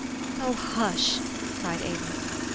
" Oh, hush! " cried Avis.